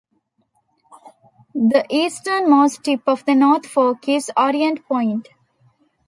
The easternmost tip of the North Fork is Orient Point.